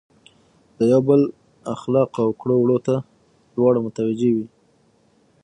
د یو بل اخلاقو او کړو وړو ته دواړه متوجه وي.